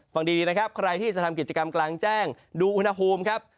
ฟังดีนะครับใครที่จะทำกิจกรรมกลางแจ้งดูอุณหภูมิครับ